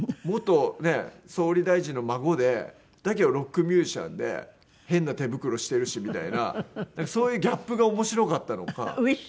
元総理大臣の孫でだけどロックミュージシャンで変な手袋してるしみたいな。そういうギャップが面白かったのか。